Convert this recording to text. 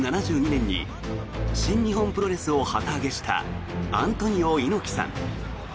１９７２年に新日本プロレスを旗揚げしたアントニオ猪木さん。